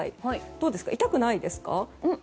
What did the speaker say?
どうですか痛くないですか？